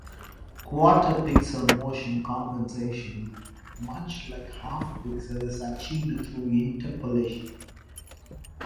Quarter-pixel motion compensation, much like half-pixel, is achieved through interpolation.